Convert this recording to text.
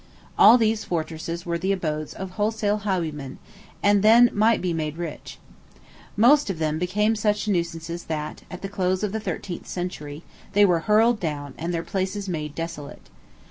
All these fortresses were the abodes of wholesale highwaymen, and then might made right. Most of them became such nuisances that, at the close of the thirteenth century, they were hurled down, and their places made desolate.